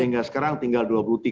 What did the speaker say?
hingga sekarang tinggal dua puluh tiga